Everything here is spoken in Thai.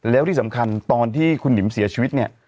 แล้วที่สำคัญตอนที่คุณหนิมเสียชีวิตเนี่ย